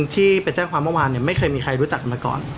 ที่ไปแจ้งความเมื่อวานไม่เคยมีใครรู้จักมาก่อน